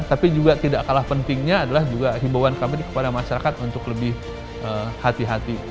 tapi juga tidak kalah pentingnya adalah juga himbauan kami kepada masyarakat untuk lebih hati hati